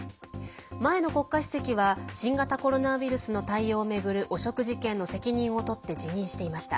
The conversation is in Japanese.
前の国家主席は新型コロナウイルスの対応を巡る汚職事件の責任を取って辞任していました。